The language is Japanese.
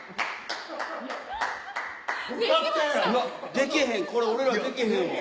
できへんこれ俺らはできへんわ。